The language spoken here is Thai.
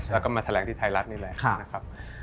แล้วก็มาแถลงที่ไทยรัฐนี่แหละนะครับ